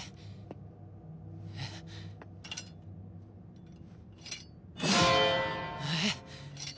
えっ？えっ？